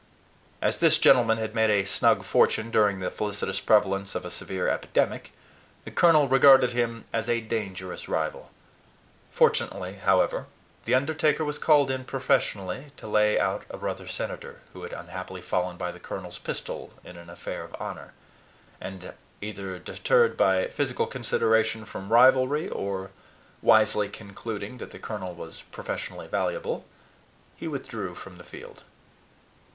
As this gentleman had made a snug fortune during the felicitous prevalence of a severe epidemic, the colonel regarded him as a dangerous rival. Fortunately, however, the undertaker was called in professionally to lay out a brother senator, who had unhappily fallen by the colonel's pistol in an affair of honor; and either deterred by physical consideration from rivalry, or wisely concluding that the colonel was professionally valuable, he withdrew from the field.